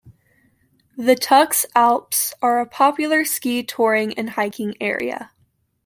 The Tux Alps are a popular ski touring and hiking area.